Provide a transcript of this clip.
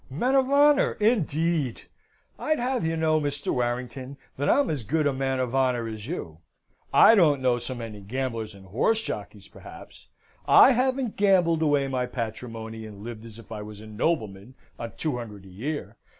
"Men of honour, indeed! I'd have you to know, Mr. Warrington, that I'm as good a man of honour as you. I don't know so many gamblers and horse jockeys, perhaps. I haven't gambled away my patrimony, and lived as if I was a nobleman on two hundred a year.